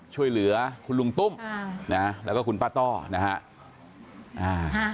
ช่วยเหลือคุณลุงตุ้มนะแล้วก็คุณป้าต้อนะฮะ